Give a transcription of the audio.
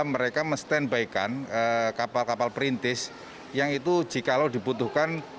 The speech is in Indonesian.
mereka men standbykan kapal kapal perintis yang itu jika lo dibutuhkan